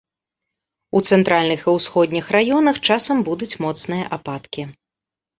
У цэнтральных і ўсходніх раёнах часам будуць моцныя ападкі.